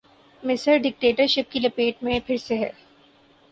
مصر ڈکٹیٹرشپ کی لپیٹ میں پھر سے ہے۔